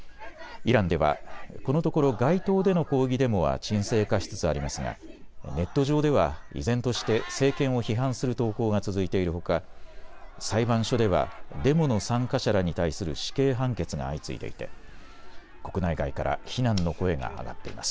イランではこのところ街頭での抗議デモは沈静化しつつありますがネット上では依然として政権を批判する投稿が続いているほか裁判所ではデモの参加者らに対する死刑判決が相次いでいて国内外から非難の声が上がっています。